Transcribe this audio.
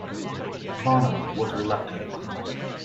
Bonham was reluctant.